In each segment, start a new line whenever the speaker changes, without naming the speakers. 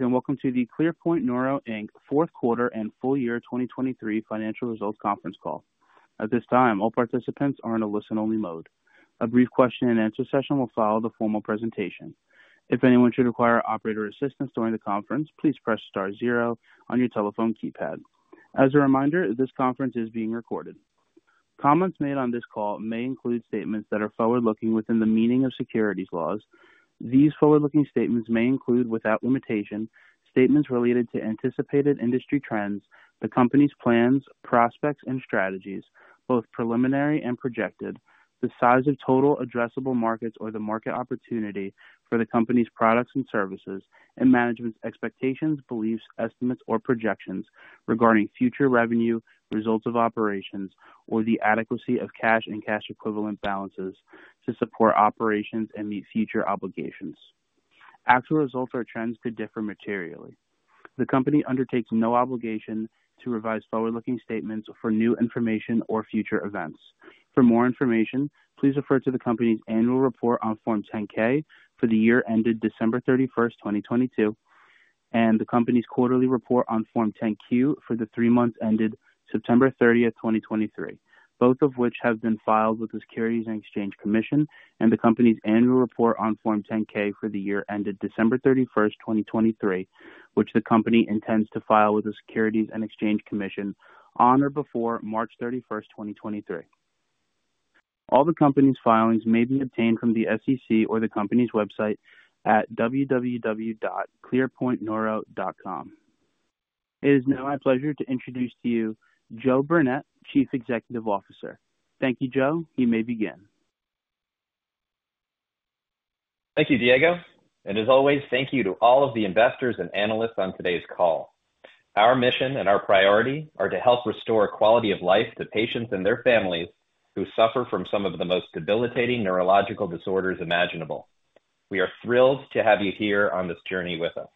Welcome to the ClearPoint Neuro, Inc. fourth quarter and full year 2023 financial results conference call. At this time, all participants are in a listen-only mode. A brief question-and-answer session will follow the formal presentation. If anyone should require operator assistance during the conference, please press star zero on your telephone keypad. As a reminder, this conference is being recorded. Comments made on this call may include statements that are forward-looking within the meaning of securities laws. These forward-looking statements may include, without limitation, statements related to anticipated industry trends, the company's plans, prospects and strategies, both preliminary and projected, the size of total addressable markets or the market opportunity for the company's products and services, and management's expectations, beliefs, estimates, or projections regarding future revenue, results of operations, or the adequacy of cash and cash equivalent balances to support operations and meet future obligations. Actual results or trends could differ materially. The company undertakes no obligation to revise forward-looking statements for new information or future events. For more information, please refer to the company's annual report on Form 10-K for the year ended December 31, 2022, and the company's quarterly report on Form 10-Q for the three months ended September 30, 2023, both of which have been filed with the Securities and Exchange Commission, and the company's annual report on Form 10-K for the year ended December 31, 2023, which the company intends to file with the Securities and Exchange Commission on or before March 31, 2023. All the company's filings may be obtained from the SEC or the company's website at www.clearpointneuro.com. It is now my pleasure to introduce to you Joe Burnett, Chief Executive Officer. Thank you, Joe. You may begin.
Thank you, Diego, and as always, thank you to all of the investors and analysts on today's call. Our mission and our priority are to help restore quality of life to patients and their families who suffer from some of the most debilitating neurological disorders imaginable. We are thrilled to have you here on this journey with us.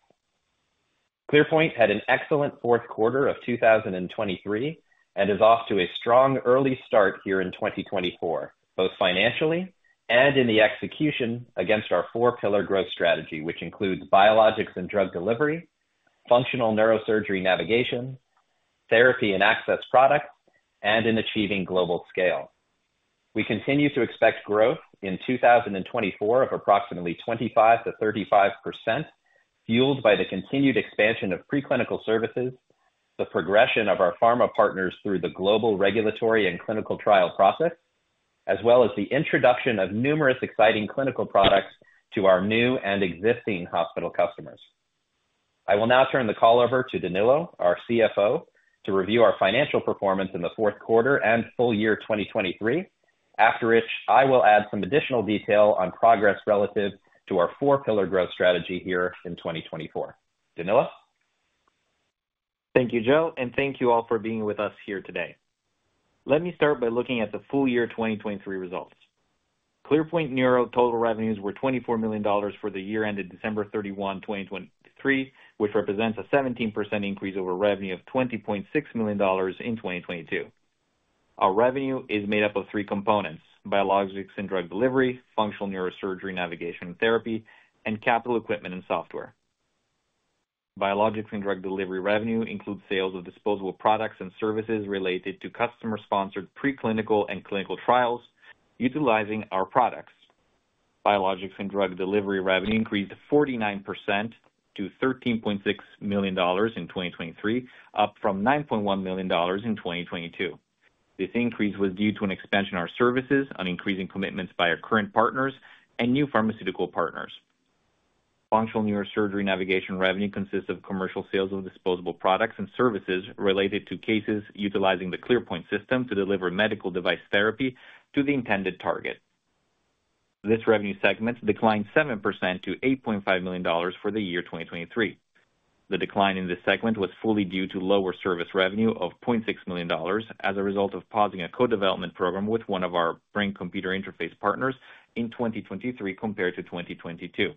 ClearPoint had an excellent fourth quarter of 2023 and is off to a strong early start here in 2024, both financially and in the execution against our four pillar growth strategy, which includes biologics and drug delivery, functional neurosurgery navigation, therapy and access products, and in achieving global scale. We continue to expect growth in 2024 of approximately 25%-35%, fueled by the continued expansion of preclinical services, the progression of our pharma partners through the global regulatory and clinical trial process, as well as the introduction of numerous exciting clinical products to our new and existing hospital customers. I will now turn the call over to Danilo, our CFO, to review our financial performance in the fourth quarter and full year 2023. After which, I will add some additional detail on progress relative to our four pillar growth strategy here in 2024. Danilo?
Thank you, Joe, and thank you all for being with us here today. Let me start by looking at the full year 2023 results. ClearPoint Neuro total revenues were $24 million for the year ended December 31, 2023, which represents a 17% increase over revenue of $20.6 million in 2022. Our revenue is made up of three components: biologics and drug delivery, functional neurosurgery navigation and therapy, and capital equipment and software. Biologics and drug delivery revenue includes sales of disposable products and services related to customer-sponsored preclinical and clinical trials utilizing our products. Biologics and drug delivery revenue increased 49% to $13.6 million in 2023, up from $9.1 million in 2022. This increase was due to an expansion of our services on increasing commitments by our current partners and new pharmaceutical partners. Functional neurosurgery navigation revenue consists of commercial sales of disposable products and services related to cases utilizing the ClearPoint system to deliver medical device therapy to the intended target. This revenue segment declined 7% to $8.5 million for the year 2023. The decline in this segment was fully due to lower service revenue of $0.6 million as a result of pausing a codevelopment program with one of our brain computer interface partners in 2023 compared to 2022.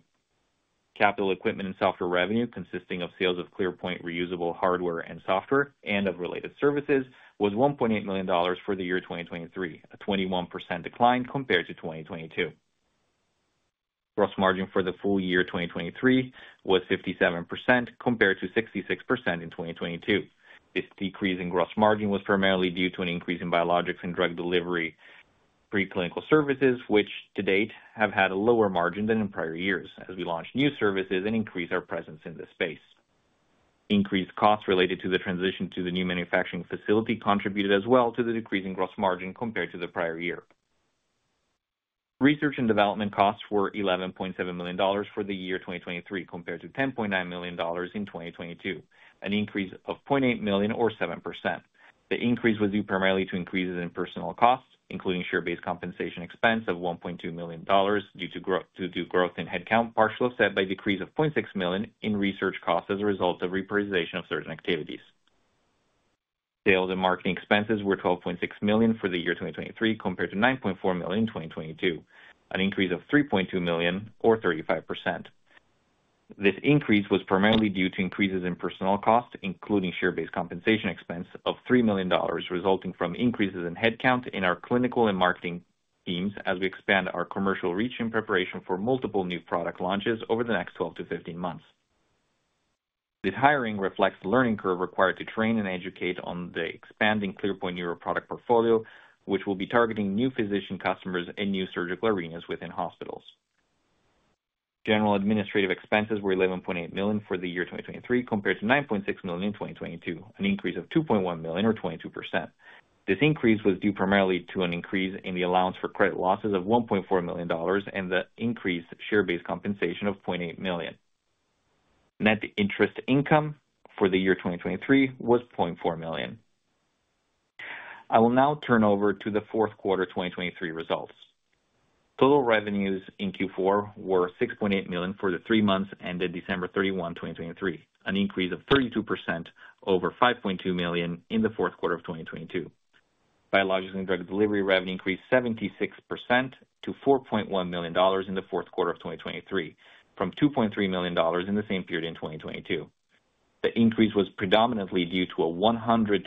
Capital equipment and software revenue, consisting of sales of ClearPoint reusable hardware and software and of related services, was $1.8 million for the year 2023, a 21% decline compared to 2022. Gross margin for the full year 2023 was 57%, compared to 66% in 2022. This decrease in gross margin was primarily due to an increase in biologics and drug delivery, preclinical services, which to date have had a lower margin than in prior years as we launch new services and increase our presence in this space. Increased costs related to the transition to the new manufacturing facility contributed as well to the decrease in gross margin compared to the prior year. Research and development costs were $11.7 million for the year 2023, compared to $10.9 million in 2022, an increase of $0.8 million or 7%. The increase was due primarily to increases in personnel costs, including share-based compensation expense of $1.2 million due to growth in headcount, partially offset by decrease of $0.6 million in research costs as a result of reprioritization of certain activities. Sales and marketing expenses were $12.6 million for the year 2023, compared to $9.4 million in 2022, an increase of $3.2 million or 35%. This increase was primarily due to increases in personnel costs, including share-based compensation expense of $3 million, resulting from increases in headcount in our clinical and marketing teams as we expand our commercial reach in preparation for multiple new product launches over the next 12-15 months.... This hiring reflects the learning curve required to train and educate on the expanding ClearPoint Neuro product portfolio, which will be targeting new physician customers in new surgical arenas within hospitals. General and administrative expenses were $11.8 million for the year 2023, compared to $9.6 million in 2022, an increase of $2.1 million or 22%. This increase was due primarily to an increase in the allowance for credit losses of $1.4 million and the increased share-based compensation of $0.8 million. Net interest income for the year 2023 was $0.4 million. I will now turn over to the fourth quarter 2023 results. Total revenues in Q4 were $6.8 million for the three months ended December 31, 2023, an increase of 32% over $5.2 million in the fourth quarter of 2022. Biologics and Drug Delivery revenue increased 76% to $4.1 million in the fourth quarter of 2023, from $2.3 million in the same period in 2022. The increase was predominantly due to a 122%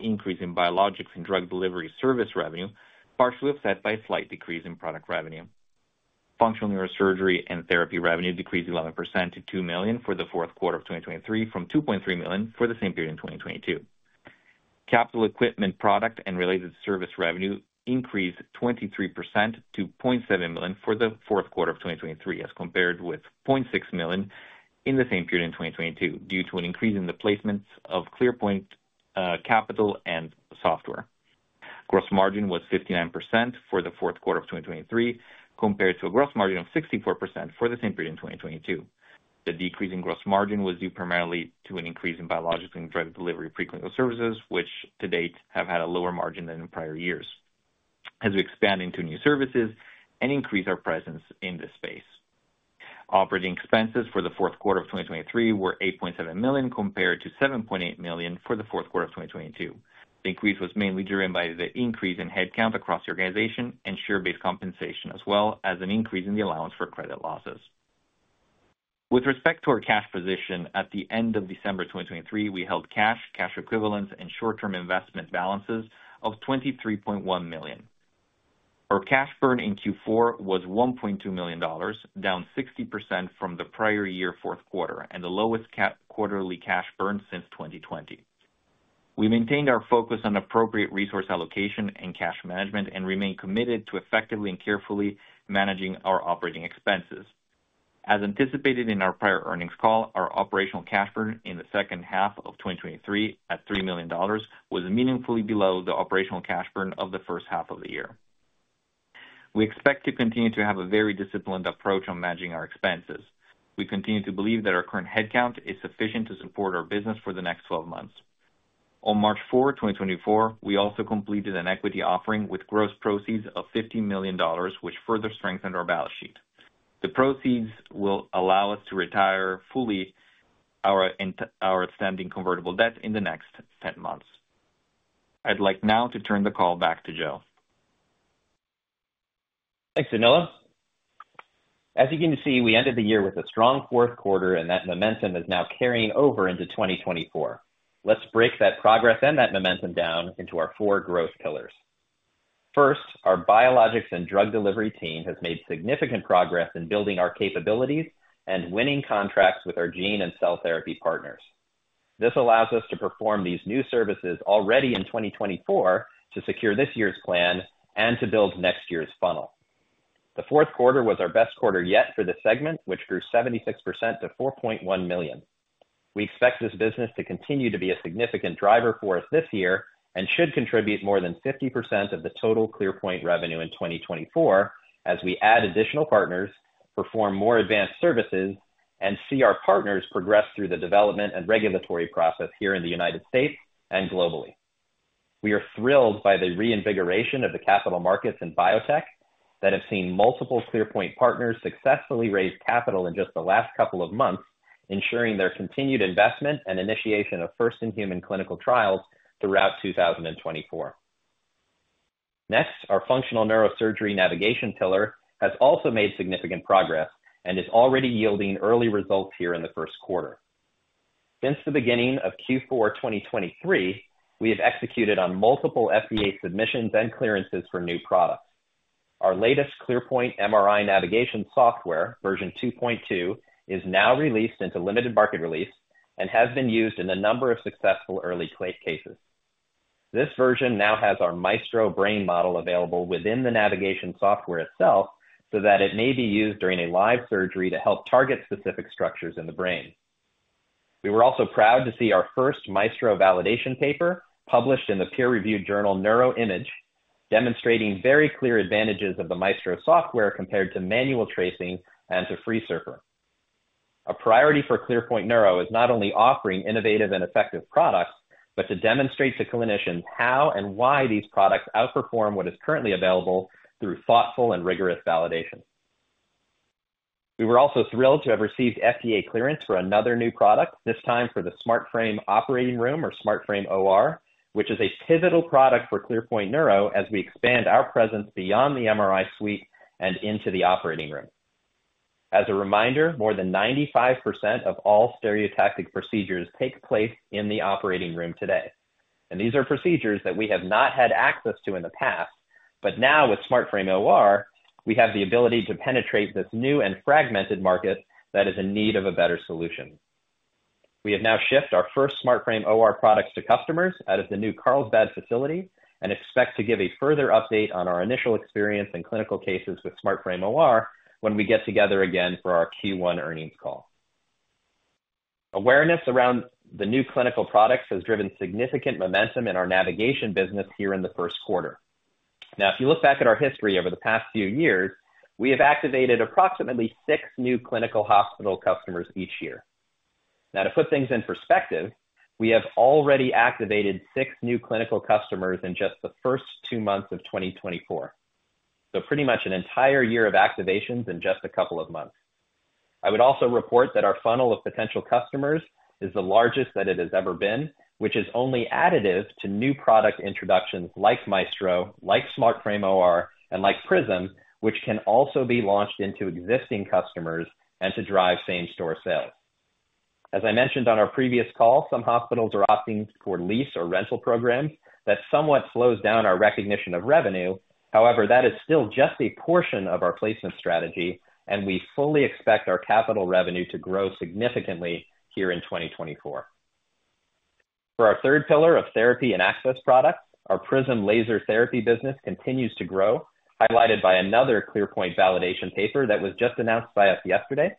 increase in biologics and drug delivery service revenue, partially offset by a slight decrease in product revenue. Functional neurosurgery and therapy revenue decreased 11% to $2 million for the fourth quarter of 2023, from $2.3 million for the same period in 2022. Capital equipment, product and related service revenue increased 23% to $0.7 million for the fourth quarter of 2023, as compared with $0.6 million in the same period in 2022, due to an increase in the placements of ClearPoint capital and software. Gross margin was 59% for the fourth quarter of 2023, compared to a gross margin of 64% for the same period in 2022. The decrease in gross margin was due primarily to an increase in biologics and drug delivery preclinical services, which to date have had a lower margin than in prior years, as we expand into new services and increase our presence in this space. Operating expenses for the fourth quarter of 2023 were $8.7 million, compared to $7.8 million for the fourth quarter of 2022. The increase was mainly driven by the increase in headcount across the organization and share-based compensation, as well as an increase in the allowance for credit losses. With respect to our cash position, at the end of December 2023, we held cash, cash equivalents and short-term investment balances of $23.1 million. Our cash burn in Q4 was $1.2 million, down 60% from the prior year fourth quarter, and the lowest quarterly cash burn since 2020. We maintained our focus on appropriate resource allocation and cash management and remain committed to effectively and carefully managing our operating expenses. As anticipated in our prior earnings call, our operational cash burn in the second half of 2023, at $3 million, was meaningfully below the operational cash burn of the first half of the year. We expect to continue to have a very disciplined approach on managing our expenses. We continue to believe that our current headcount is sufficient to support our business for the next 12 months. On March fourth, 2024, we also completed an equity offering with gross proceeds of $50 million, which further strengthened our balance sheet. The proceeds will allow us to retire fully our outstanding convertible debt in the next 10 months. I'd like now to turn the call back to Joe.
Thanks, Danilo. As you can see, we ended the year with a strong fourth quarter, and that momentum is now carrying over into 2024. Let's break that progress and that momentum down into our four growth pillars. First, our biologics and drug delivery team has made significant progress in building our capabilities and winning contracts with our gene and cell therapy partners. This allows us to perform these new services already in 2024 to secure this year's plan and to build next year's funnel. The fourth quarter was our best quarter yet for this segment, which grew 76% to $4.1 million. We expect this business to continue to be a significant driver for us this year and should contribute more than 50% of the total ClearPoint revenue in 2024 as we add additional partners, perform more advanced services, and see our partners progress through the development and regulatory process here in the United States and globally. We are thrilled by the reinvigoration of the capital markets in biotech that have seen multiple ClearPoint partners successfully raise capital in just the last couple of months, ensuring their continued investment and initiation of first-in-human clinical trials throughout 2024. Next, our functional neurosurgery navigation pillar has also made significant progress and is already yielding early results here in the first quarter. Since the beginning of Q4 2023, we have executed on multiple FDA submissions and clearances for new products. Our latest ClearPoint MRI navigation software, version 2.2, is now released into limited market release and has been used in a number of successful early clinical cases. This version now has our Maestro brain model available within the navigation software itself, so that it may be used during a live surgery to help target specific structures in the brain. We were also proud to see our first Maestro validation paper published in the peer-reviewed journal, NeuroImage, demonstrating very clear advantages of the Maestro software compared to manual tracing and to FreeSurfer. A priority for ClearPoint Neuro is not only offering innovative and effective products, but to demonstrate to clinicians how and why these products outperform what is currently available through thoughtful and rigorous validation. We were also thrilled to have received FDA clearance for another new product, this time for the SmartFrame operating room, or SmartFrame OR, which is a pivotal product for ClearPoint Neuro as we expand our presence beyond the MRI suite and into the operating room. As a reminder, more than 95% of all stereotactic procedures take place in the operating room today, and these are procedures that we have not had access to in the past, but now with SmartFrame OR, we have the ability to penetrate this new and fragmented market that is in need of a better solution. We have now shipped our first SmartFrame OR products to customers out of the new Carlsbad facility and expect to give a further update on our initial experience and clinical cases with SmartFrame OR when we get together again for our Q1 earnings call. Awareness around the new clinical products has driven significant momentum in our navigation business here in the first quarter. Now, if you look back at our history over the past few years, we have activated approximately six new clinical hospital customers each year. Now, to put things in perspective, we have already activated six new clinical customers in just the first two months of 2024. So pretty much an entire year of activations in just a couple of months. I would also report that our funnel of potential customers is the largest that it has ever been, which is only additive to new product introductions like Maestro, like SmartFrame OR and like Prism, which can also be launched into existing customers and to drive same-store sales. As I mentioned on our previous call, some hospitals are opting for lease or rental programs. That somewhat slows down our recognition of revenue. However, that is still just a portion of our placement strategy, and we fully expect our capital revenue to grow significantly here in 2024. For our third pillar of therapy and access products, our Prism laser therapy business continues to grow, highlighted by another ClearPoint validation paper that was just announced by us yesterday.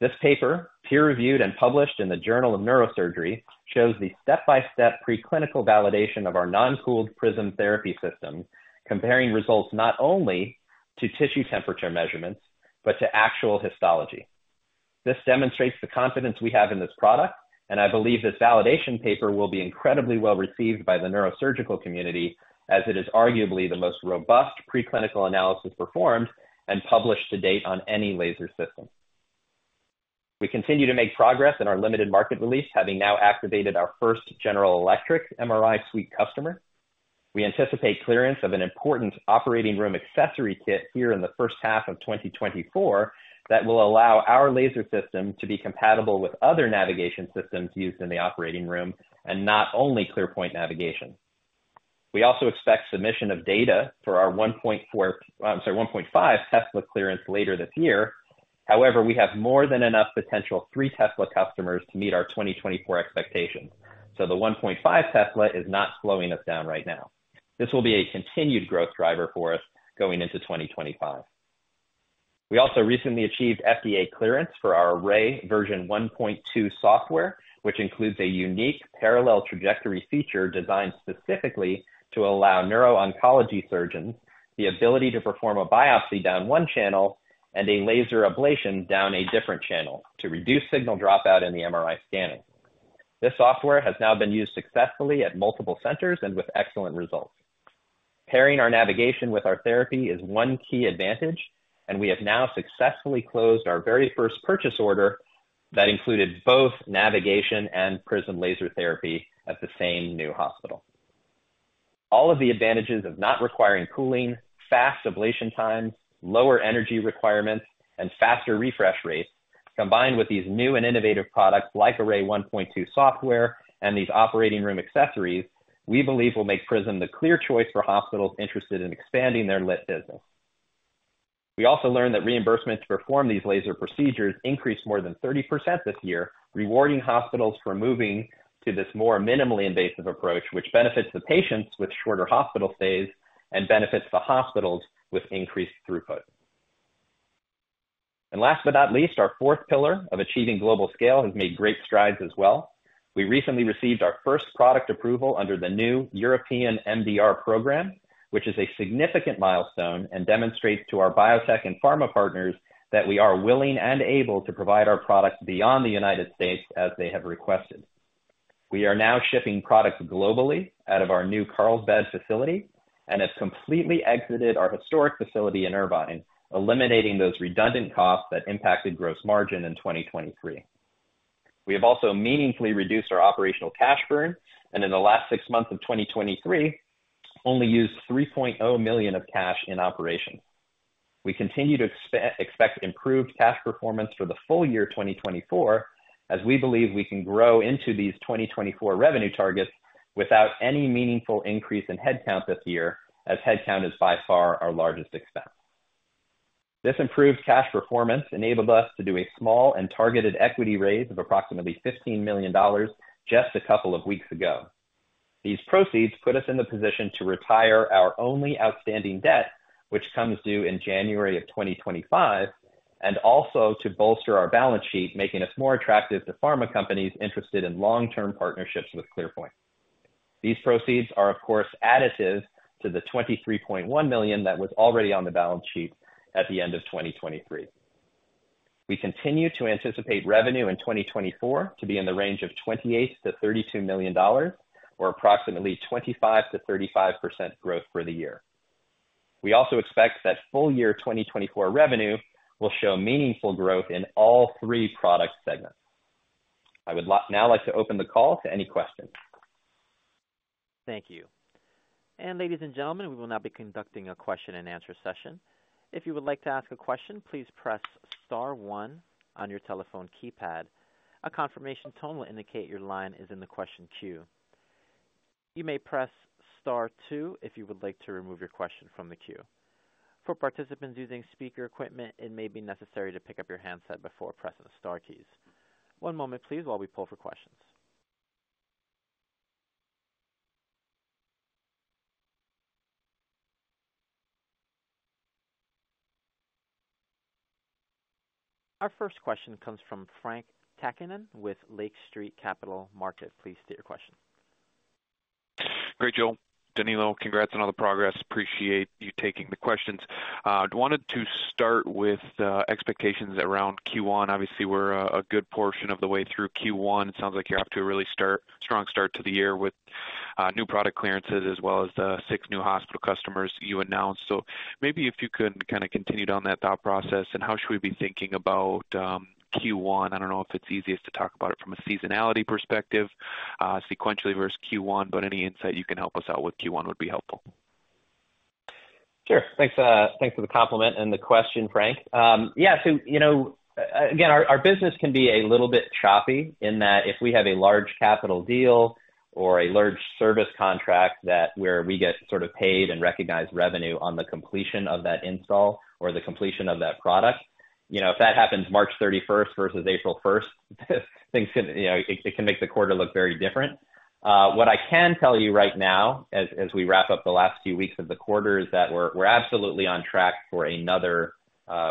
This paper, peer-reviewed and published in the Journal of Neurosurgery, shows the step-by-step preclinical validation of our non-cooled Prism therapy system, comparing results not only to tissue temperature measurements, but to actual histology. This demonstrates the confidence we have in this product, and I believe this validation paper will be incredibly well received by the neurosurgical community, as it is arguably the most robust preclinical analysis performed and published to date on any laser system. We continue to make progress in our limited market release, having now activated our first General Electric MRI suite customer. We anticipate clearance of an important operating room accessory kit here in the first half of 2024, that will allow our laser system to be compatible with other navigation systems used in the operating room and not only ClearPoint navigation. We also expect submission of data for our 1.4, I'm sorry, 1.5 Tesla clearance later this year. However, we have more than enough potential three Tesla customers to meet our 2024 expectations. So the 1.5 Tesla is not slowing us down right now. This will be a continued growth driver for us going into 2025. We also recently achieved FDA clearance for our Array version 1.2 software, which includes a unique parallel trajectory feature designed specifically to allow neuro-oncology surgeons the ability to perform a biopsy down one channel and a laser ablation down a different channel to reduce signal dropout in the MRI scanning. This software has now been used successfully at multiple centers and with excellent results. Pairing our navigation with our therapy is one key advantage, and we have now successfully closed our very first purchase order that included both navigation and Prism laser therapy at the same new hospital. All of the advantages of not requiring cooling, fast ablation times, lower energy requirements, and faster refresh rates, combined with these new and innovative products like Array 1.2 software and these operating room accessories, we believe will make Prism the clear choice for hospitals interested in expanding their LITT business. We also learned that reimbursements to perform these laser procedures increased more than 30% this year, rewarding hospitals for moving to this more minimally invasive approach, which benefits the patients with shorter hospital stays and benefits the hospitals with increased throughput. Last but not least, our fourth pillar of achieving global scale has made great strides as well. We recently received our first product approval under the new European MDR program, which is a significant milestone and demonstrates to our biotech and pharma partners that we are willing and able to provide our products beyond the United States as they have requested. We are now shipping products globally out of our new Carlsbad facility and have completely exited our historic facility in Irvine, eliminating those redundant costs that impacted gross margin in 2023. We have also meaningfully reduced our operational cash burn, and in the last six months of 2023, only used $3.0 million of cash in operation. We continue to expect improved cash performance for the full year 2024, as we believe we can grow into these 2024 revenue targets without any meaningful increase in headcount this year, as headcount is by far our largest expense. This improved cash performance enabled us to do a small and targeted equity raise of approximately $15 million just a couple of weeks ago. These proceeds put us in the position to retire our only outstanding debt, which comes due in January 2025, and also to bolster our balance sheet, making us more attractive to pharma companies interested in long-term partnerships with ClearPoint. These proceeds are, of course, additive to the $23.1 million that was already on the balance sheet at the end of 2023. We continue to anticipate revenue in 2024 to be in the range of $28 million-$32 million, or approximately 25%-35% growth for the year. We also expect that full year 2024 revenue will show meaningful growth in all three product segments. I would now like to open the call to any questions.
Thank you. And ladies and gentlemen, we will now be conducting a question-and-answer session. If you would like to ask a question, please press star one on your telephone keypad. A confirmation tone will indicate your line is in the question queue. You may press star two if you would like to remove your question from the queue. For participants using speaker equipment, it may be necessary to pick up your handset before pressing the star keys. One moment please, while we pull for questions. Our first question comes from Frank Takkinen with Lake Street Capital Markets. Please state your question.
Great, Joe. Danilo, congrats on all the progress. Appreciate you taking the questions. I wanted to start with expectations around Q1. Obviously, we're a good portion of the way through Q1. It sounds like you're off to a strong start to the year with new product clearances as well as the 6 new hospital customers you announced. So maybe if you could kind of continue down that thought process, and how should we be thinking about Q1? I don't know if it's easiest to talk about it from a seasonality perspective, sequentially versus Q1, but any insight you can help us out with Q1 would be helpful.
Sure. Thanks for the compliment and the question, Frank. Yeah, so you know, again, our business can be a little bit choppy in that if we have a large capital deal or a large service contract, that where we get sort of paid and recognize revenue on the completion of that install or the completion of that product, you know, if that happens March thirty-first versus April first, things can, you know, it can make the quarter look very different. What I can tell you right now, as we wrap up the last few weeks of the quarter, is that we're absolutely on track for another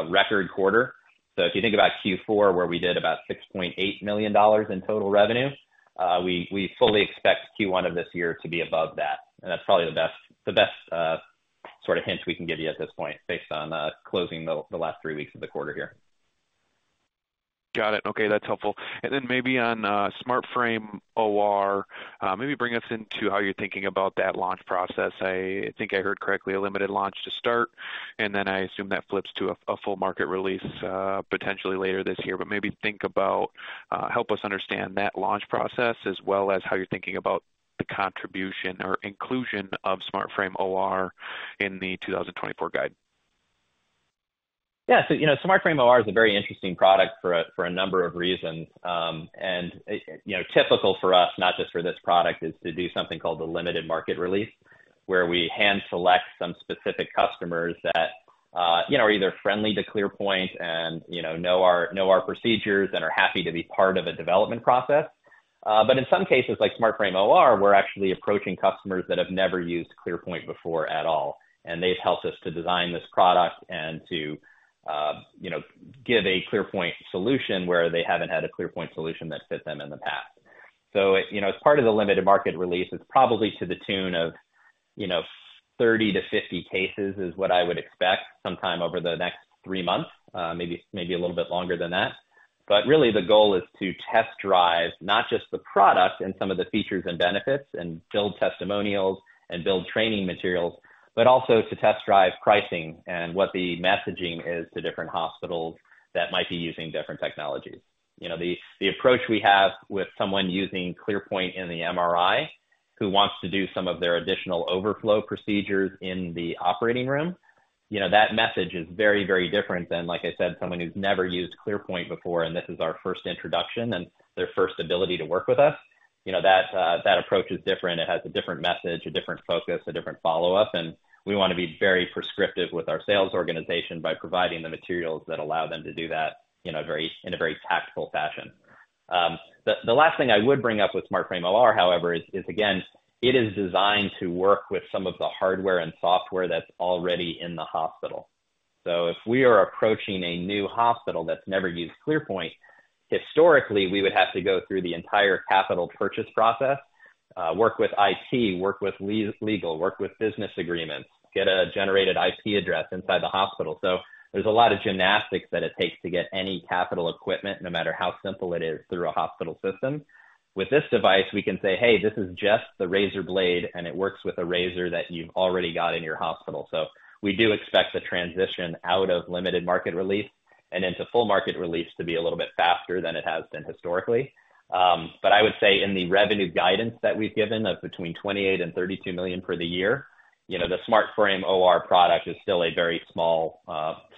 record quarter. So if you think about Q4, where we did about $6.8 million in total revenue, we fully expect Q1 of this year to be above that. That's probably the best sort of hint we can give you at this point, based on closing the last three weeks of the quarter here.
Got it. Okay, that's helpful. And then maybe on SmartFrame OR, maybe bring us into how you're thinking about that launch process. I think I heard correctly, a limited launch to start, and then I assume that flips to a full market release, potentially later this year. But maybe think about... Help us understand that launch process, as well as how you're thinking about the contribution or inclusion of SmartFrame OR in the 2024 guide.
Yeah, so, you know, SmartFrame OR is a very interesting product for a number of reasons. And, you know, typical for us, not just for this product, is to do something called the limited market release, where we hand select some specific customers that, you know, are either friendly to ClearPoint and, you know, know our procedures and are happy to be part of a development process. But in some cases, like SmartFrame OR, we're actually approaching customers that have never used ClearPoint before at all, and they've helped us to design this product and to, you know, give a ClearPoint solution where they haven't had a ClearPoint solution that fit them in the past. So, you know, as part of the limited market release, it's probably to the tune of, you know, 30-50 cases, is what I would expect sometime over the next 3 months, maybe, maybe a little bit longer than that. But really, the goal is to test drive not just the product and some of the features and benefits, and build testimonials and build training materials, but also to test drive pricing and what the messaging is to different hospitals that might be using different technologies. You know, the approach we have with someone using ClearPoint in the MRI, who wants to do some of their additional overflow procedures in the operating room, you know, that message is very, very different than, like I said, someone who's never used ClearPoint before, and this is our first introduction and their first ability to work with us. You know, that approach is different. It has a different message, a different focus, a different follow-up, and we want to be very prescriptive with our sales organization by providing the materials that allow them to do that in a very tactical fashion. The last thing I would bring up with SmartFrame OR, however, is again, it is designed to work with some of the hardware and software that's already in the hospital. So if we are approaching a new hospital that's never used ClearPoint, historically, we would have to go through the entire capital purchase process, work with IT, work with legal, work with business agreements, get a generated IP address inside the hospital. So there's a lot of gymnastics that it takes to get any capital equipment, no matter how simple it is, through a hospital system. With this device, we can say, "Hey, this is just the razor blade, and it works with a razor that you've already got in your hospital." So we do expect the transition out of limited market release and into full market release to be a little bit faster than it has been historically. But I would say in the revenue guidance that we've given of between $28 million and $32 million for the year, you know, the SmartFrame OR product is still a very small,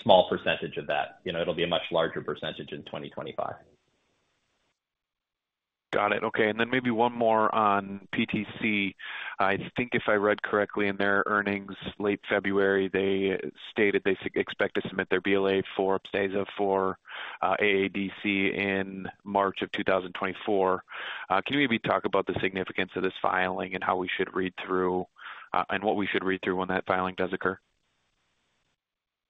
small percentage of that. You know, it'll be a much larger percentage in 2025.
Got it. Okay, and then maybe one more on PTC. I think if I read correctly in their earnings, late February, they stated they expect to submit their BLA for Upstaza, for AADC in March of 2024. Can you maybe talk about the significance of this filing and how we should read through, and what we should read through when that filing does occur?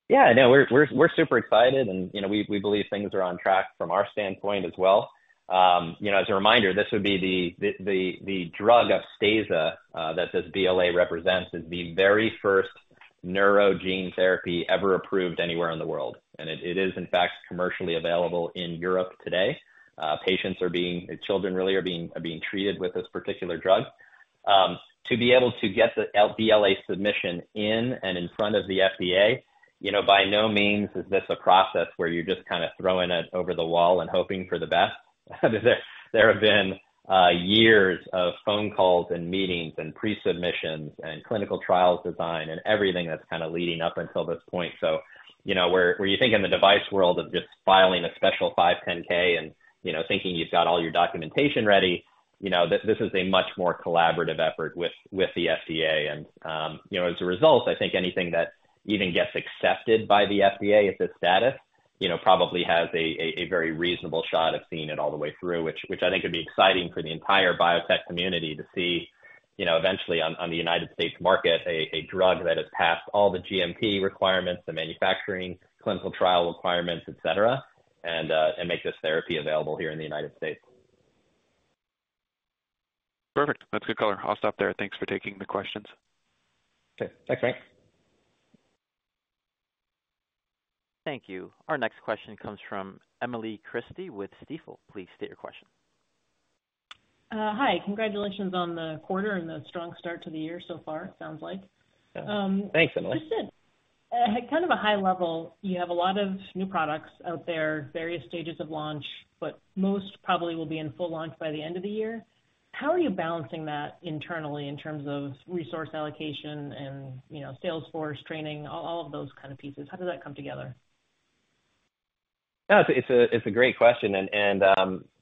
Yeah, no, we're super excited, and, you know, we believe things are on track from our standpoint as well. You know, as a reminder, this would be the drug Upstaza that this BLA represents, is the very first neuro gene therapy ever approved anywhere in the world. And it is, in fact, commercially available in Europe today. Patients are being treated with this particular drug. Children really are being treated with this particular drug. To be able to get the BLA submission in and in front of the FDA, you know, by no means is this a process where you're just kind of throwing it over the wall and hoping for the best. There have been years of phone calls and meetings and pre-submissions and clinical trials design and everything that's kind of leading up until this point. So, you know, where you think in the device world of just filing a special 510(k) and, you know, thinking you've got all your documentation ready, you know, this is a much more collaborative effort with the FDA. And, you know, as a result, I think anything that even gets accepted by the FDA at this status, you know, probably has a very reasonable shot of seeing it all the way through, which I think would be exciting for the entire biotech community to see, you know, eventually on the United States market, a drug that has passed all the GMP requirements, the manufacturing, clinical trial requirements, et cetera, and make this therapy available here in the United States.
Perfect. That's good color. I'll stop there. Thanks for taking the questions.
Okay. Thanks, Frank.
Thank you. Our next question comes from Emily Christie with Stifel. Please state your question.
Hi. Congratulations on the quarter and the strong start to the year so far, it sounds like.
Yeah. Thanks, Emily.
Just at, kind of a high level, you have a lot of new products out there, various stages of launch, but most probably will be in full launch by the end of the year. How are you balancing that internally in terms of resource allocation and, you know, sales force training, all, all of those kind of pieces? How does that come together?
Yeah, it's a great question, and,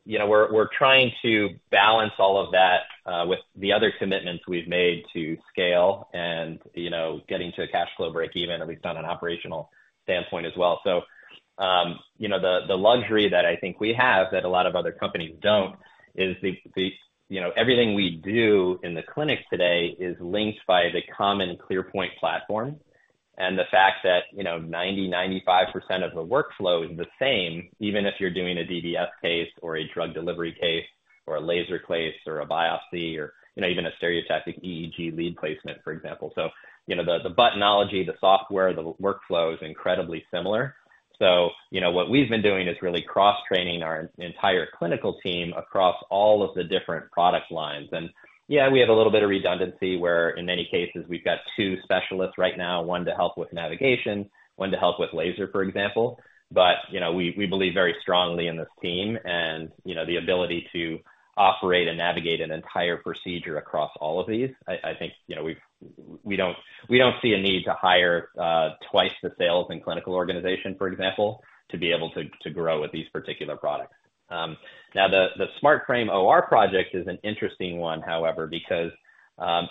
you know, we're trying to balance all of that with the other commitments we've made to scale and, you know, getting to a cash flow break even, at least on an operational standpoint as well. So, you know, the luxury that I think we have that a lot of other companies don't is the, you know, everything we do in the clinic today is linked by the common ClearPoint platform. And the fact that, you know, 90%-95% of the workflow is the same, even if you're doing a DBS case or a drug delivery case or a laser case or a biopsy or, you know, even a stereotactic EEG lead placement, for example. So, you know, the buttonology, the software, the workflow is incredibly similar. So, you know, what we've been doing is really cross-training our entire clinical team across all of the different product lines. And, yeah, we have a little bit of redundancy where in many cases we've got two specialists right now, one to help with navigation, one to help with laser, for example. But, you know, we believe very strongly in this team and, you know, the ability to operate and navigate an entire procedure across all of these. I think, you know, we don't see a need to hire twice the sales and clinical organization, for example, to be able to grow with these particular products. Now, the SmartFrame OR project is an interesting one, however, because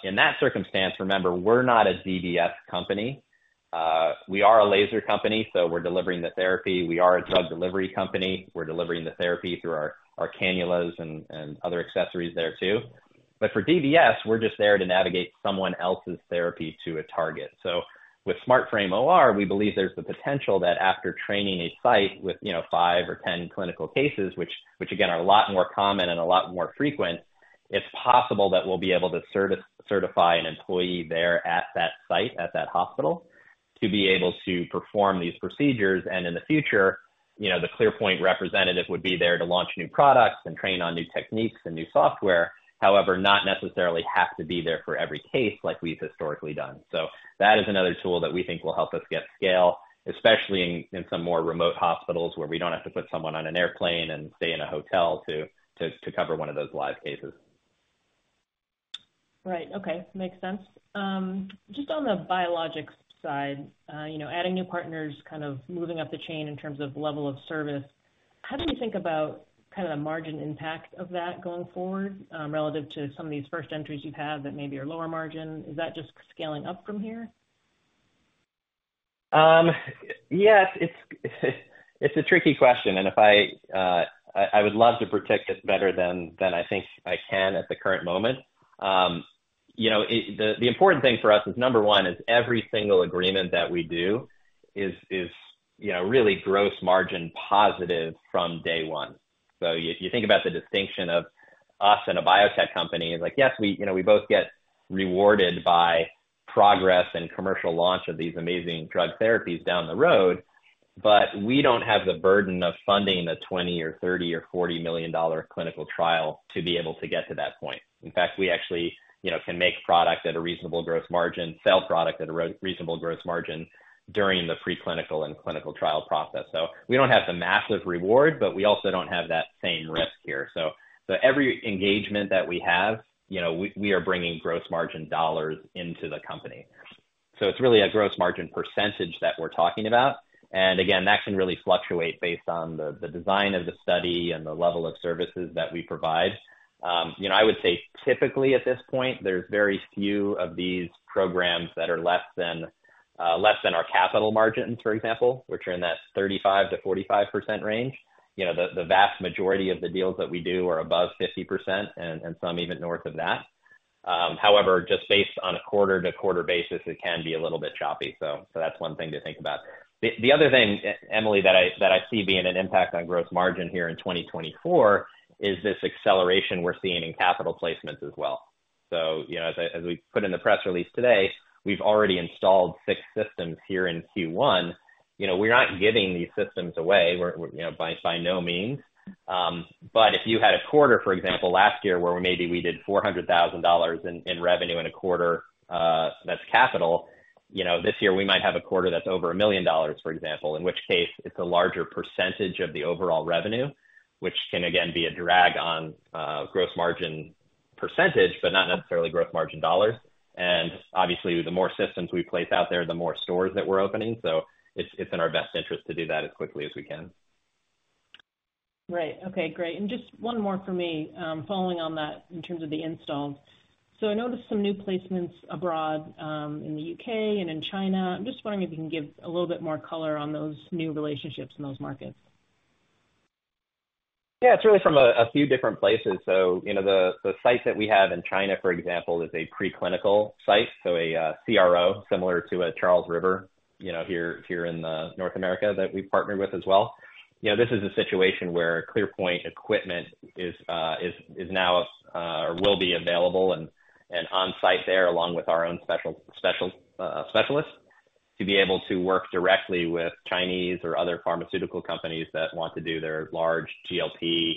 in that circumstance, remember, we're not a DBS company. We are a laser company, so we're delivering the therapy. We are a drug delivery company. We're delivering the therapy through our, our cannulas and, and other accessories there, too. But for DBS, we're just there to navigate someone else's therapy to a target. So with SmartFrame OR we believe there's the potential that after training a site with, you know, five or 10 clinical cases, which, which again, are a lot more common and a lot more frequent, it's possible that we'll be able to certify an employee there at that site, at that hospital, to be able to perform these procedures. And in the future, you know, the ClearPoint representative would be there to launch new products and train on new techniques and new software. However, not necessarily have to be there for every case like we've historically done. So that is another tool that we think will help us get scale, especially in some more remote hospitals, where we don't have to put someone on an airplane and stay in a hotel to cover one of those live cases.
Right. Okay, makes sense. Just on the biologics side, you know, adding new partners, kind of moving up the chain in terms of level of service, how do you think about kind of the margin impact of that going forward, relative to some of these first entries you've had that maybe are lower margin? Is that just scaling up from here?
Yes, it's a tricky question, and if I would love to predict it better than I think I can at the current moment. You know, the important thing for us is, number one, every single agreement that we do is really gross margin positive from day one. So if you think about the distinction of us and a biotech company, like, yes, we, you know, we both get rewarded by progress and commercial launch of these amazing drug therapies down the road, but we don't have the burden of funding the $20 million, $30 million, or $40 million clinical trial to be able to get to that point. In fact, we actually, you know, can make product at a reasonable gross margin, sell product at a reasonable gross margin during the preclinical and clinical trial process. So we don't have the massive reward, but we also don't have that same risk here. So every engagement that we have, you know, we are bringing gross margin dollars into the company. So it's really a gross margin percentage that we're talking about. And again, that can really fluctuate based on the design of the study and the level of services that we provide. You know, I would say typically at this point, there's very few of these programs that are less than our capital margins, for example, which are in that 35%-45% range. You know, the vast majority of the deals that we do are above 50%, and some even north of that. However, just based on a quarter-to-quarter basis, it can be a little bit choppy. So that's one thing to think about. The other thing, Emily, that I see being an impact on gross margin here in 2024, is this acceleration we're seeing in capital placements as well. So, you know, as we put in the press release today, we've already installed six systems here in Q1. You know, we're not giving these systems away, we're, you know, by no means. But if you had a quarter, for example, last year, where maybe we did $400,000 in revenue in a quarter, that's capital, you know, this year we might have a quarter that's over $1 million, for example, in which case it's a larger percentage of the overall revenue, which can again be a drag on gross margin percentage, but not necessarily growth margin dollars. Obviously, the more systems we place out there, the more stores that we're opening. It's in our best interest to do that as quickly as we can.
Right. Okay, great. And just one more for me, following on that, in terms of the installs. So I noticed some new placements abroad, in the U.K. and in China. I'm just wondering if you can give a little bit more color on those new relationships in those markets?
Yeah, it's really from a few different places. So you know, the site that we have in China, for example, is a preclinical site, so a CRO, similar to a Charles River, you know, here in North America, that we partnered with as well. You know, this is a situation where ClearPoint equipment is now or will be available and on-site there, along with our own special specialists, to be able to work directly with Chinese or other pharmaceutical companies that want to do their large GLP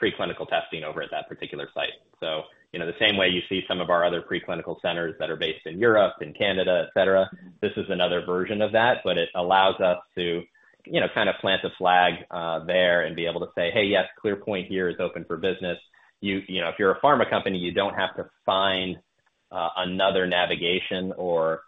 preclinical testing over at that particular site. So you know, the same way you see some of our other preclinical centers that are based in Europe and Canada, et cetera, this is another version of that. But it allows us to, you know, kind of plant a flag there and be able to say, "Hey, yes, ClearPoint here is open for business. You..." You know, "If you're a pharma company, you don't have to find another navigation or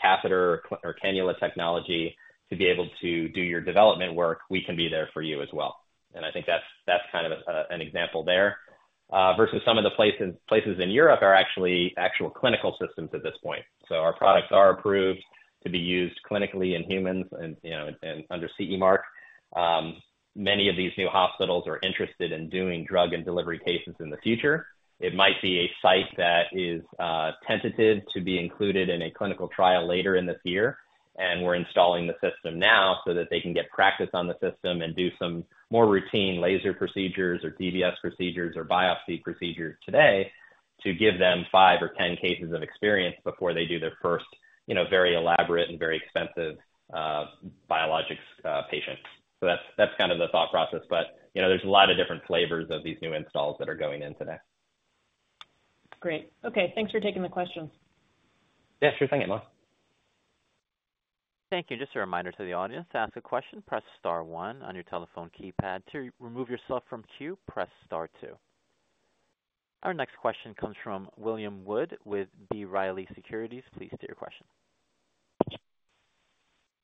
catheter or cannula technology to be able to do your development work. We can be there for you as well." And I think that's kind of an example there. Versus some of the places in Europe are actually actual clinical systems at this point. So our products are approved to be used clinically in humans and, you know, and under CE mark. Many of these new hospitals are interested in doing drug and delivery cases in the future. It might be a site that is tentative to be included in a clinical trial later in this year, and we're installing the system now so that they can get practice on the system and do some more routine laser procedures or DBS procedures or biopsy procedures today, to give them five or 10 cases of experience before they do their first, you know, very elaborate and very expensive biologics patient. So that's, that's kind of the thought process, but, you know, there's a lot of different flavors of these new installs that are going in today.
Great. Okay, thanks for taking the question.
Yeah, sure thing, Emma.
Thank you. Just a reminder to the audience, to ask a question, press star one on your telephone keypad. To remove yourself from queue, press star two. Our next question comes from William Wood with B. Riley Securities. Please state your question.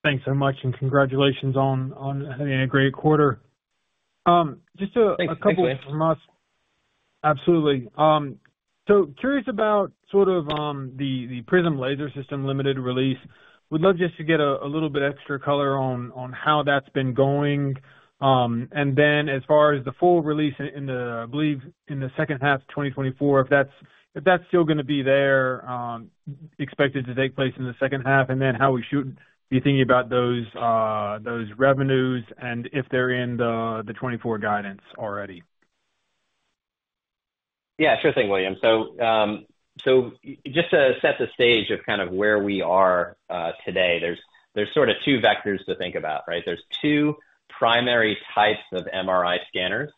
Thanks so much, and congratulations on, on having a great quarter.
Thanks, William.
A couple from us. Absolutely. So curious about sort of, the Prism laser system limited release. Would love just to get a little bit extra color on how that's been going. And then as far as the full release in the... I believe, in the second half of 2024, if that's still gonna be there, expected to take place in the second half, and then how we should be thinking about those revenues and if they're in the 2024 guidance already.
Yeah, sure thing, William. So, just to set the stage of kind of where we are today, there's sort of two vectors to think about, right? There's two primary types of MRI scanners,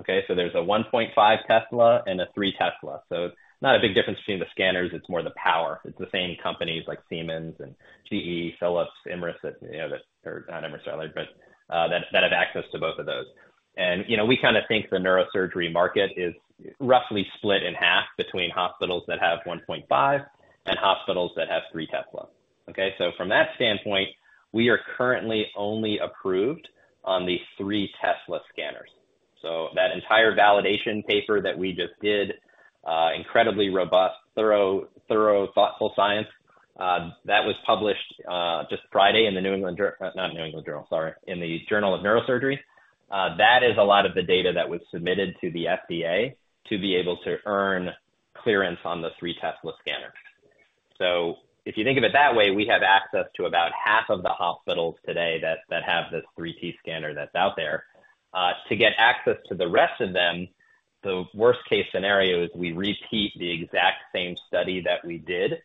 okay? So there's a 1.5 Tesla and a three Tesla. So not a big difference between the scanners, it's more the power. It's the same companies like Siemens and GE, Philips, that, you know, that have access to both of those. And, you know, we kind of think the neurosurgery market is roughly split in half between hospitals that have 1.5 and hospitals that have three Tesla. Okay? So from that standpoint, we are currently only approved on the three Tesla scanners. So that entire validation paper that we just did, incredibly robust, thorough, thorough, thoughtful science, that was published just Friday in the Journal of Neurosurgery. That is a lot of the data that was submitted to the FDA to be able to earn clearance on the three Tesla scanner. So if you think of it that way, we have access to about half of the hospitals today that have this 3T scanner that's out there. To get access to the rest of them, the worst case scenario is we repeat the exact same study that we did.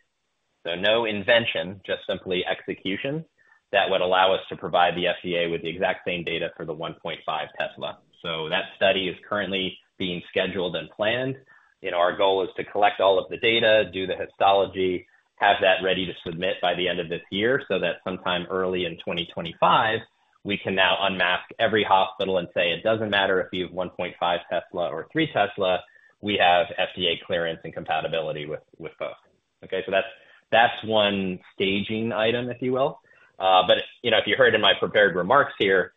So no invention, just simply execution, that would allow us to provide the FDA with the exact same data for the 1.5 Tesla. So that study is currently being scheduled and planned. You know, our goal is to collect all of the data, do the histology, have that ready to submit by the end of this year, so that sometime early in 2025, we can now unmask every hospital and say: It doesn't matter if you have 1.5 Tesla or three Tesla, we have FDA clearance and compatibility with, with both. Okay, so that's, that's one staging item, if you will. But, you know, if you heard in my prepared remarks here,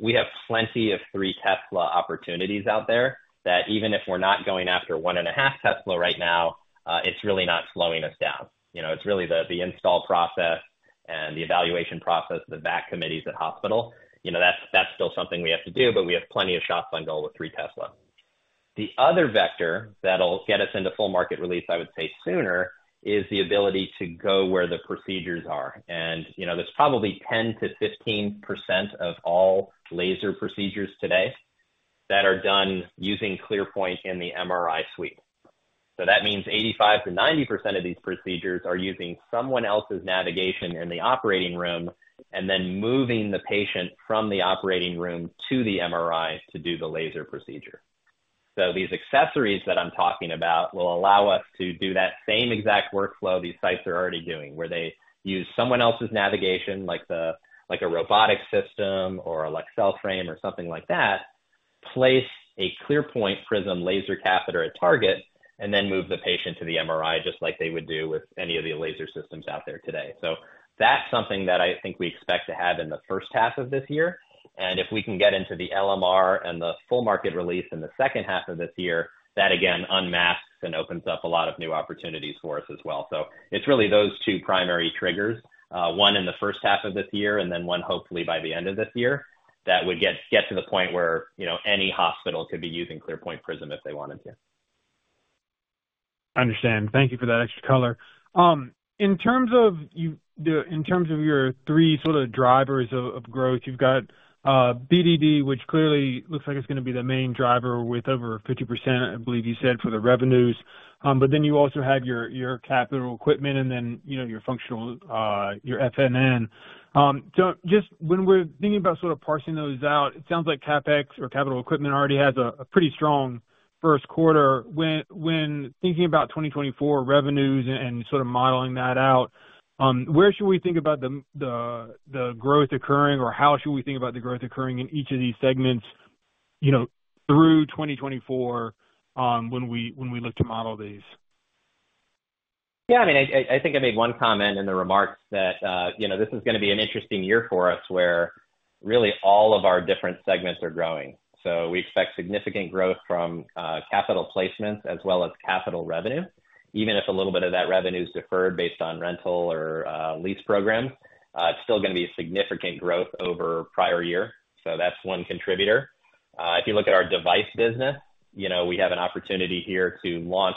we have plenty of three Tesla opportunities out there, that even if we're not going after 1.5 Tesla right now, it's really not slowing us down. You know, it's really the, the install process and the evaluation process, the VAC committees at hospital. You know, that's, that's still something we have to do, but we have plenty of shots on goal with three Tesla. The other vector that'll get us into full market release, I would say sooner, is the ability to go where the procedures are. And, you know, there's probably 10%-15% of all laser procedures today that are done using ClearPoint in the MRI suite. So that means 85%-90% of these procedures are using someone else's navigation in the operating room, and then moving the patient from the operating room to the MRI to do the laser procedure. So these accessories that I'm talking about will allow us to do that same exact workflow these sites are already doing, where they use someone else's navigation, like a robotic system or a Leksell Frame or something like that. Place a ClearPoint Prism laser catheter at target, and then move the patient to the MRI, just like they would do with any of the laser systems out there today. So that's something that I think we expect to have in the first half of this year. If we can get into the LMR and the full market release in the second half of this year, that again unmasks and opens up a lot of new opportunities for us as well. So it's really those two primary triggers, one in the first half of this year and then one hopefully by the end of this year, that would get to the point where, you know, any hospital could be using ClearPoint Prism if they wanted to.
Understand. Thank you for that extra color. In terms of your three sort of drivers of growth, you've got BDD, which clearly looks like it's gonna be the main driver with over 50%, I believe you said, for the revenues. But then you also have your capital equipment and then, you know, your functional, your FNN. So just when we're thinking about sort of parsing those out, it sounds like CapEx or capital equipment already has a pretty strong first quarter. When thinking about 2024 revenues and sort of modeling that out, where should we think about the growth occurring, or how should we think about the growth occurring in each of these segments, you know, through 2024, when we look to model these?
Yeah, I mean, I think I made one comment in the remarks that, you know, this is gonna be an interesting year for us, where really all of our different segments are growing. So we expect significant growth from capital placements as well as capital revenue. Even if a little bit of that revenue is deferred based on rental or lease programs, it's still gonna be a significant growth over prior year. So that's one contributor. If you look at our device business, you know, we have an opportunity here to launch,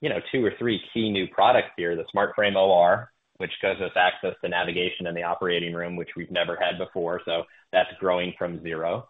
you know, two or three key new products here, the SmartFrame OR, which gives us access to navigation in the operating room, which we've never had before. So that's growing from zero.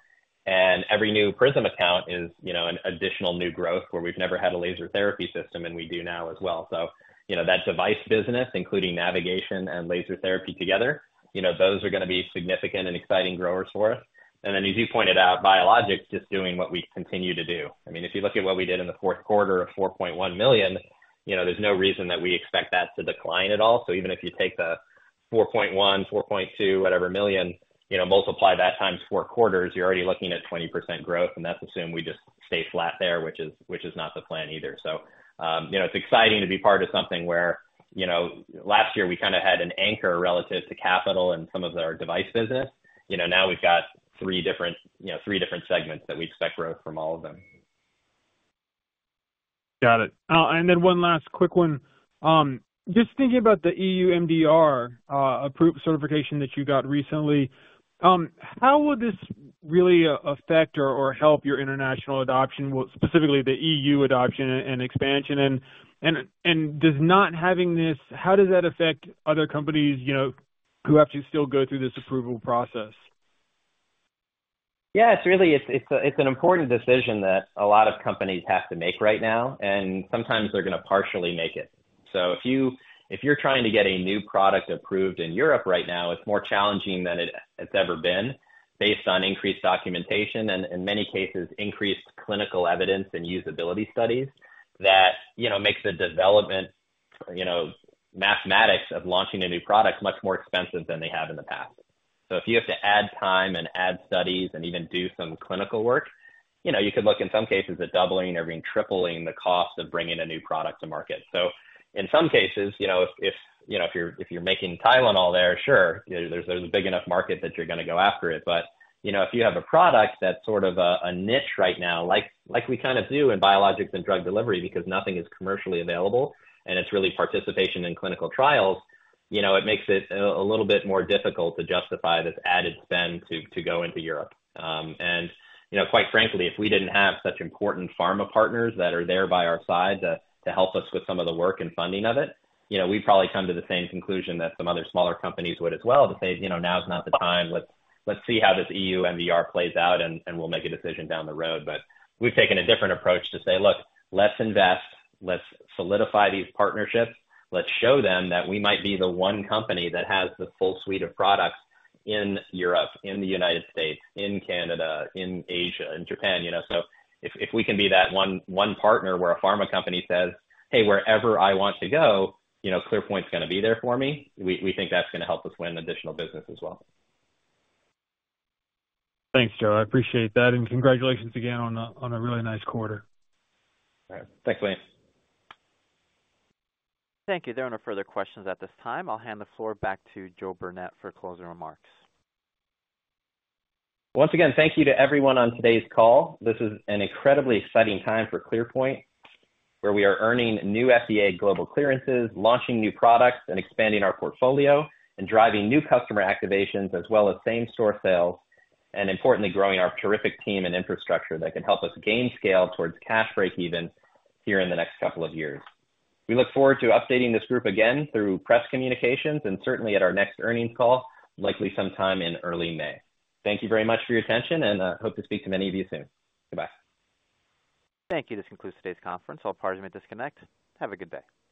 Every new Prism account is, you know, an additional new growth where we've never had a laser therapy system, and we do now as well. So, you know, that device business, including navigation and laser therapy together, you know, those are gonna be significant and exciting growers for us. And then, as you pointed out, biologics, just doing what we continue to do. I mean, if you look at what we did in the fourth quarter of $4.1 million, you know, there's no reason that we expect that to decline at all. So even if you take the $4.1, $4.2, whatever million, you know, multiply that times 4 quarters, you're already looking at 20% growth, and that's assuming we just stay flat there, which is, which is not the plan either. So, you know, it's exciting to be part of something where, you know, last year, we kind of had an anchor relative to capital and some of our device business. You know, now we've got three different, you know, three different segments that we expect growth from all of them.
Got it. And then one last quick one. Just thinking about the EU MDR approved certification that you got recently, how will this really affect or help your international adoption, well, specifically the EU adoption. And does not having this, how does that affect other companies, you know, who have to still go through this approval process?
Yeah, it's really an important decision that a lot of companies have to make right now, and sometimes they're gonna partially make it. So if you're trying to get a new product approved in Europe right now, it's more challenging than it has ever been based on increased documentation and, in many cases, increased clinical evidence and usability studies that, you know, makes the development, you know, mathematics of launching a new product much more expensive than they have in the past. So if you have to add time and add studies and even do some clinical work, you know, you could look in some cases at doubling or even tripling the cost of bringing a new product to market. So in some cases, you know, if you know, if you're making Tylenol there, sure, you know, there's a big enough market that you're gonna go after it. But, you know, if you have a product that's sort of a niche right now, like, like we kind of do in biologics and drug delivery, because nothing is commercially available, and it's really participation in clinical trials, you know, it makes it a little bit more difficult to justify this added spend to go into Europe. You know, quite frankly, if we didn't have such important pharma partners that are there by our side to help us with some of the work and funding of it, you know, we'd probably come to the same conclusion that some other smaller companies would as well, to say, "You know, now is not the time. Let's see how this EU MDR plays out, and we'll make a decision down the road." But we've taken a different approach to say: Look, let's invest. Let's solidify these partnerships. Let's show them that we might be the one company that has the full suite of products in Europe, in the United States, in Canada, in Asia, in Japan. You know, so if we can be that one partner, where a pharma company says, "Hey, wherever I want to go, you know, ClearPoint's gonna be there for me," we think that's gonna help us win additional business as well.
Thanks, Joe. I appreciate that, and congratulations again on a really nice quarter.
All right. Thanks, Lance.
Thank you. There are no further questions at this time. I'll hand the floor back to Joe Burnett for closing remarks.
Once again, thank you to everyone on today's call. This is an incredibly exciting time for ClearPoint, where we are earning new FDA global clearances, launching new products, and expanding our portfolio, and driving new customer activations as well as same-store sales, and importantly, growing our terrific team and infrastructure that can help us gain scale towards cash breakeven here in the next couple of years. We look forward to updating this group again through press communications and certainly at our next earnings call, likely sometime in early May. Thank you very much for your attention, and hope to speak to many of you soon. Goodbye.
Thank you. This concludes today's conference. All parties may disconnect. Have a good day.